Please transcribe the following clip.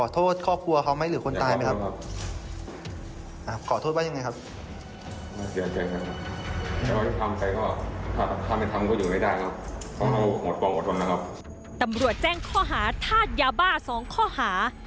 แจ้งข้อหาธาตุยาบ้า๒ข้อหา